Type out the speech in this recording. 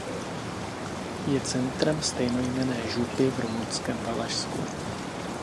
Je centrem stejnojmenné župy v rumunském Valašsku.